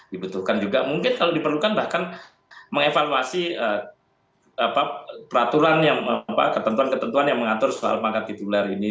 dibutuhkan juga mungkin kalau diperlukan bahkan mengevaluasi peraturan yang ketentuan ketentuan yang mengatur soal pangkat tituler ini